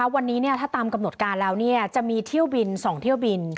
วันนี้ถ้าตามกำหนดการแล้วจะมีเที่ยวบิน๒เที่ยวบิน